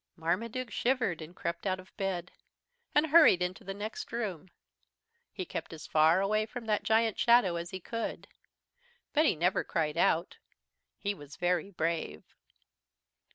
Marmaduke shivered and crept out of bed and hurried into the next room. He kept as far away from that giant shadow as he could. But he never cried out. He was very brave.